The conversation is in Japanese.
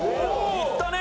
いったね！